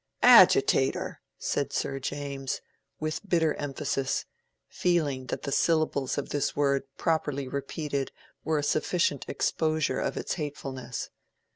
"Agitator!" said Sir James, with bitter emphasis, feeling that the syllables of this word properly repeated were a sufficient exposure of its hatefulness.